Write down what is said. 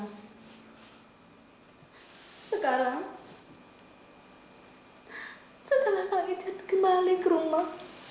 sekarang setelah haijat kembali ke rumah